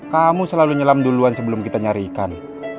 kamu selalu nyelam duluan sebelum kita nyari ikan